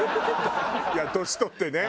いや年取ってね